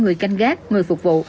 người canh gác người phục vụ